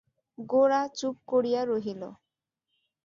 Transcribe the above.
গোরা চুপ করিয়া রহিল।